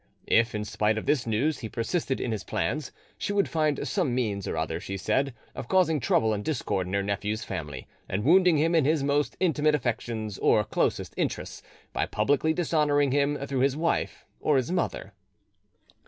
If, in spite of this news, he persisted in his plans, she would find some means or other, she said, of causing trouble and discord in her nephew's family, and wounding him in his most intimate affections or closest interests, by publicly dishonouring him through his wife or his mother.